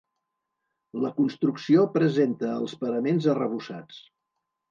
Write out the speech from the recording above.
La construcció presenta els paraments arrebossats.